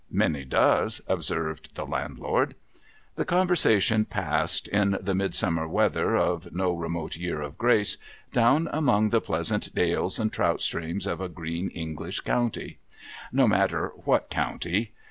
' Many does,' observed die Landlord. The conversation passed, in the Midsummer weather of no remote year of grace, down among the pleasant dales and trout streams of a green English county. No matter what county.